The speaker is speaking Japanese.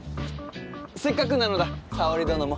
せっかくなのだ沙織殿も。